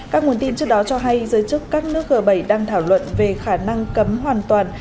các nguồn tin trước đó cho hay giới chức các nước g bảy đang thảo luận về khả năng cấm hoàn toàn